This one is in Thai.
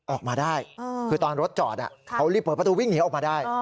ออกมาได้คือตอนรถจอดเขารีบเปิดประตูวิ่งหนีออกมาได้